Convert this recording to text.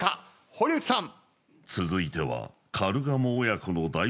堀内さん。